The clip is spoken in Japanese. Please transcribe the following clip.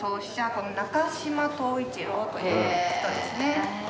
この中島董一郎という人ですね。